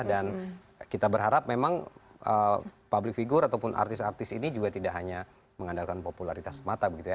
dan kita berharap memang public figure ataupun artis artis ini juga tidak hanya mengandalkan popularitas semata begitu ya